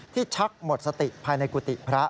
ชักหมดสติภายในกุฏิพระ